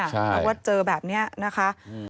แล้วเจอแบบนี้นะคะ